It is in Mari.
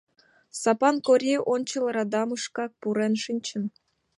Сапан Кори ончыл радамышкак пурен шинчын.